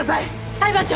裁判長！